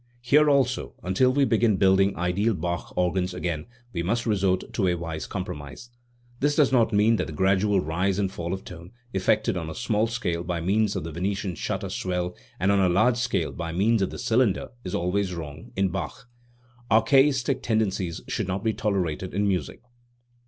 Here also, until we begin building ideal Bach organs again, we must resort to a wise compromise. This does not mean that the gradual rise and fall of tone, effected on a small scale by means of the Venetian shutter swell and on a large scale by means of the cylinder, is always wrong in Bach. Archaistic tendences should not be tolerated in music.